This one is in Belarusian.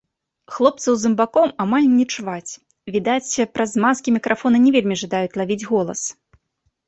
Хлопцаў-замбакоў амаль не чуваць, відаць, праз маскі мікрафоны не вельмі жадаюць лавіць голас.